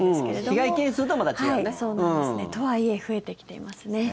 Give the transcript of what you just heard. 被害件数とはまた違うのね。とはいえ増えてきていますね。